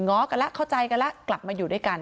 ้อกันแล้วเข้าใจกันแล้วกลับมาอยู่ด้วยกัน